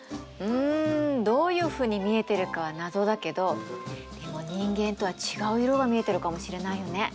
うんどういうふうに見えているかは謎だけどでも人間とは違う色が見えているかもしれないよね。